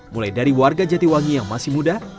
mulai dari warga jatiwangi yang masih muda